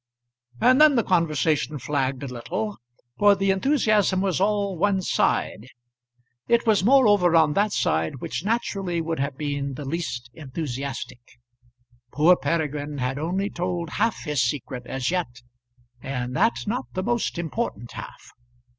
And then the conversation flagged a little, for the enthusiasm was all one side. It was moreover on that side which naturally would have been the least enthusiastic. Poor Peregrine had only told half his secret as yet, and that not the most important half.